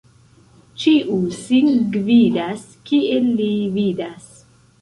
Ĉiu sin gvidas, kiel li vidas.